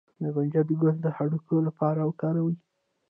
د کنجد ګل د هډوکو لپاره وکاروئ